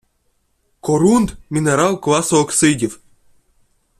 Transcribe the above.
Корунд – мінерал класу оксидів